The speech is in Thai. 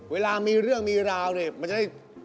เวลามีเรื่องมีราวเนี่ยมันจะได้